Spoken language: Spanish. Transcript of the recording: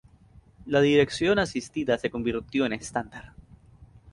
La dirección asistida se convirtió en estándar.